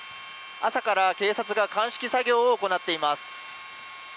朝から警察が鑑識作業を行っています。